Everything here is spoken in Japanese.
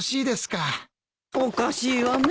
おかしいわねえ。